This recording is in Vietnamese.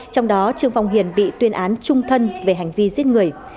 trong đó trương phong hiền bị tuyên án trung thân về hành vi giết người